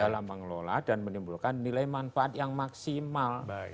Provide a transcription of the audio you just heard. dalam mengelola dan menimbulkan nilai manfaat yang maksimal